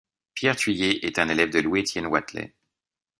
Pierre Thuillier est un élève de Louis Étienne Watelet.